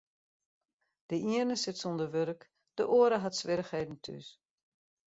De iene sit sûnder wurk, de oare hat swierrichheden thús.